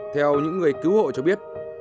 theo những người cứu hộ cho biết